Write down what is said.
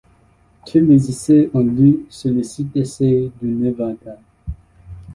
Tous les essais ont lieu sur le site d'essais du Nevada.